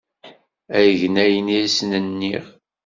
Ad gen ayen i asen-nniɣ.